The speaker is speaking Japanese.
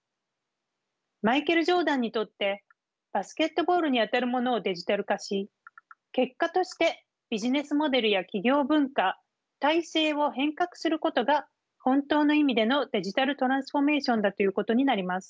マイケル・ジョーダンにとってバスケットボールにあたるものをデジタル化し結果としてビジネスモデルや企業文化体制を変革することが本当の意味でのデジタルトランスフォーメーションだということになります。